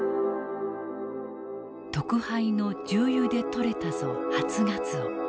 「特配の重油で獲れたぞ初鰹。